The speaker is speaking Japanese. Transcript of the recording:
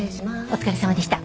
お疲れさまでした。